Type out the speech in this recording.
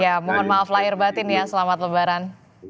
ya mohon maaf lahir batin ya selamat lebaran